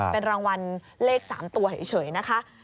เป็นรางวัลเลข๓ตัวเฉยนะคะ